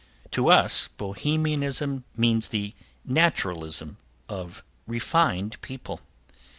To us Bohemianism means the naturalism of refined people.